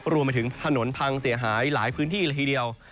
รวมไปถึงถนนพังเสียหายหลายพื้นที่ละทีเดียว